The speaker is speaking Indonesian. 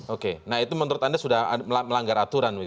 oke nah itu menurut anda sudah melanggar aturan